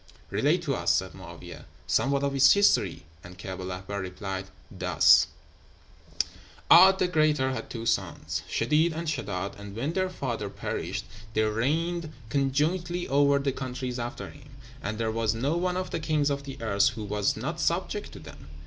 'Relate to us,' said Mo'áwiyeh, 'somewhat of its history.' And Kaab el Ahbár replied thus: "''A'd the Greater had two sons, Shedeed and Sheddád, and when their father perished they reigned conjointly over the countries after him, and there was no one of the kings of the earth who was not subject to them.